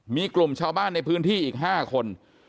มีกลุ่มชาวบ้านในพื้นที่อีก๕คน